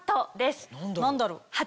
何だろう？